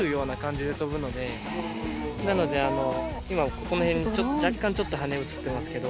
なので今この辺若干羽映ってますけど。